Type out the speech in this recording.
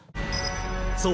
そう。